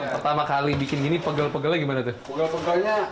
pertama kali bikin gini pegel pegelnya gimana tuh